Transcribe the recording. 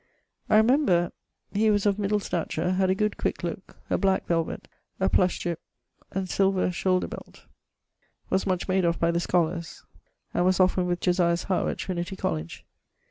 I remember he was of middle stature, had a good quick looke, a black velvet, a plush gippe and silver shoulder belt; was much made of by the scholars, and was often with Josias Howe at Trinity College.